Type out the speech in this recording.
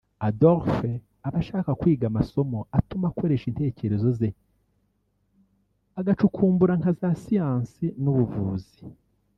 Adolphe aba ashaka kwiga amasomo atuma akoresha intekerezo ze agacukumbura nka za siyansi n’ubuvuzi